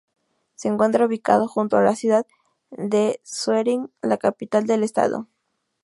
Se encuentra ubicado junto a la ciudad de Schwerin, la capital del estado.